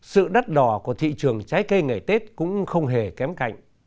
sự đắt đỏ của thị trường trái cây ngày tết cũng không hề kém cạnh